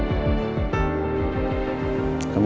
ada yang mencari